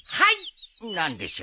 何でしょう？